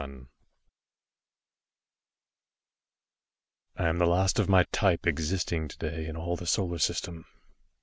CAMPBELL, Jr. I am the last of my type existing today in all the Solar System.